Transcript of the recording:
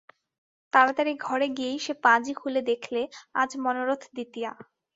তাড়াতাড়ি ঘরে গিয়েই সে পাঁজি খুলে দেখলে, আজ মনোরথ-দ্বিতীয়া।